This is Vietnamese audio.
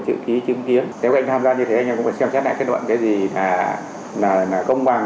chữ ký chứng kiến nếu anh tham gia như thế anh em cũng phải xem xét lại kết luận cái gì là công bằng